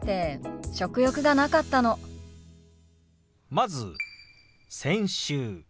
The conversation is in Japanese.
まず「先週」。